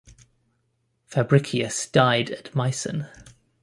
Fabricius died at Meissen.